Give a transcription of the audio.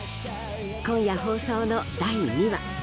今夜放送の第２話。